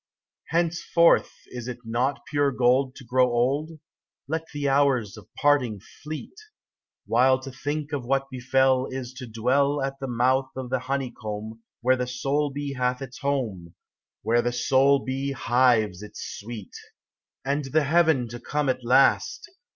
Henceforth is it not pure gold To grow old ? Let the hours of parting fleet ! While to think of what befell Is to dwell At the mouth o' the honeycomb Where the soul bee hath its home, Where the soul bee hives its sweet. And the heaven to come at last